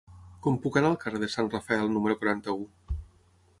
Com puc anar al carrer de Sant Rafael número quaranta-u?